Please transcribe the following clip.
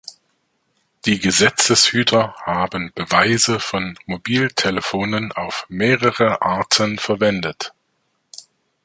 Die Gesetzeshüter haben Beweise von Mobiltelefonen auf mehrere Arten verwendet.